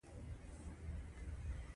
بهرنیو ملکونو ته تللی.